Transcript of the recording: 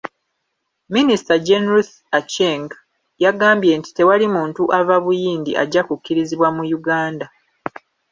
Minisita Jane Ruth Aceng yagambye nti tewali muntu ava Buyindi ajja kukkirizibwa mu Uganda.